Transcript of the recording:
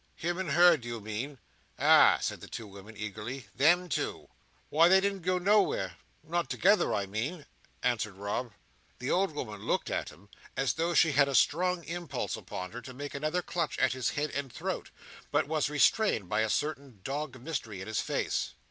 Him and her, do you mean?" "Ah!" said the old woman, eagerly. "Them two." "Why, they didn't go nowhere—not together, I mean," answered Rob. The old woman looked at him, as though she had a strong impulse upon her to make another clutch at his head and throat, but was restrained by a certain dogged mystery in his face.